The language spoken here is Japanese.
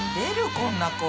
こんな声。